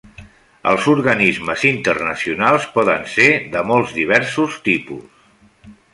Els organismes internacionals poden ser de molt diversos tipus.